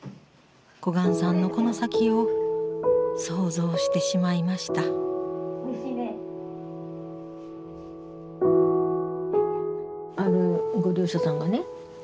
小雁さんのこの先を想像してしまいましたあるご利用者さんがね